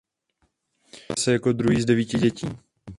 Narodil se jako druhý z devíti dětí.